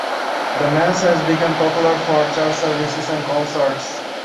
The mass has become popular for church services and concerts.